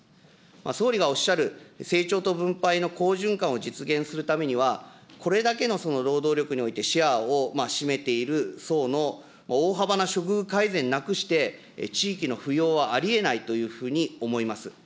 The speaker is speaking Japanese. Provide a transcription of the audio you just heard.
総理がおっしゃる、成長と分配の好循環を実現するためには、これだけの労働力においてシェアを占めている層の大幅な処遇改善なくして、地域の浮揚はありえないというふうに思います。